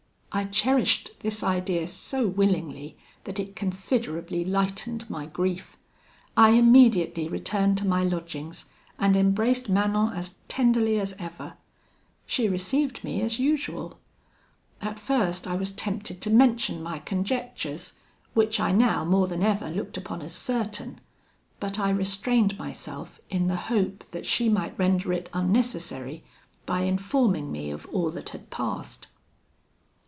"I cherished this idea so willingly, that it considerably lightened my grief. I immediately returned to my lodgings, and embraced Manon as tenderly as ever. She received me as usual. At first I was tempted to mention my conjectures, which I now, more than ever, looked upon as certain; but I restrained myself in the hope that she might render it unnecessary by informing me of all that had passed.